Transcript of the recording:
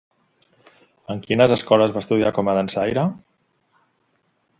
En quines escoles va estudiar com a dansaire?